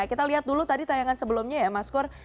kita lihat dulu tadi tayangan sebelumnya ya mas kur